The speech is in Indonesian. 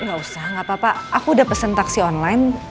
enggak usah enggak apa apa aku udah pesen taksi online